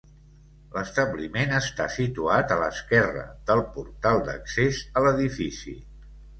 L'establiment està situat a l'esquerre del portal d'accés a l'edifici.